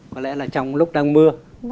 có lẽ là trong lúc đang mưa